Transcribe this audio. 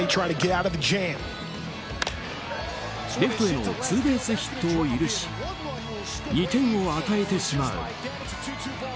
レフトへのツーベースヒットを許し２点を与えてしまう。